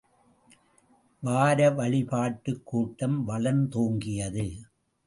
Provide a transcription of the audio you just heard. வார வழிபாட்டுக்கூட்டம் வளர்ந்தோங்கியது.